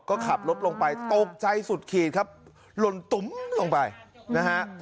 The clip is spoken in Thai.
ก็ขับรถลงไปตกใจสุดขีดครับหล่นตุ๋มลงไปนะฮะ